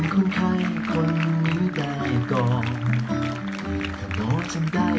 เราจะสู้ด้วยกันประเทศไทย